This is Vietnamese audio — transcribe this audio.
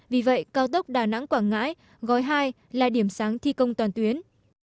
vì vậy cao tốc đà nẵng quảng ngãi gói hai là điểm sáng thi công toàn tuyến